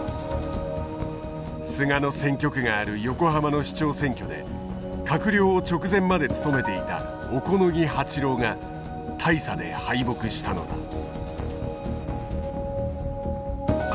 菅の選挙区がある横浜の市長選挙で閣僚を直前まで務めていた小此木八郎が大差で敗北したのだ。